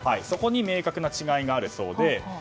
そこに明確な違いがあるそうで。